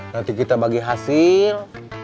nanti kita bagi hasil